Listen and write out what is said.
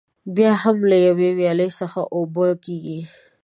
بیا هم له یوې ویالې څخه اوبه کېږي.